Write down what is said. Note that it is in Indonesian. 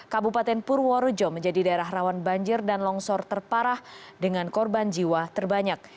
kabupaten purworejo menjadi daerah rawan banjir dan longsor terparah dengan korban jiwa terbanyak